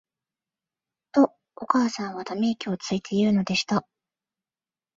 と、お母さんは溜息をついて言うのでした。